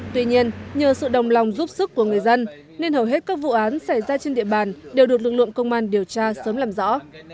tuy nhiên nhờ sự đồng lòng giúp sức của người dân nên hầu hết các vụ án xảy ra trên địa bàn đều được lực lượng công an điều tra sớm làm rõ